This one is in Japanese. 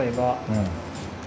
うん。